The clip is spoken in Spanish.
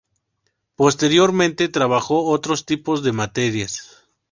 Posteriormente trabajó otros tipos de materias.